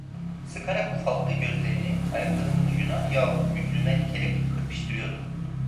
Sıkarak ufalttığı gözlerini ayaklarının ucuna, yahut yüzüme dikerek kırpıştırıyordu.